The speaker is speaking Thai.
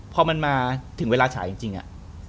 พอมันมาถึงเวลาฉายจริงอะ